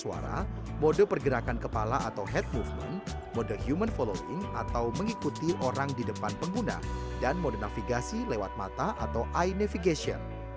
suara mode pergerakan kepala atau head movement mode human following atau mengikuti orang di depan pengguna dan mode navigasi lewat mata atau eye navigation